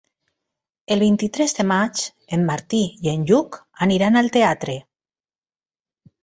El vint-i-tres de maig en Martí i en Lluc aniran al teatre.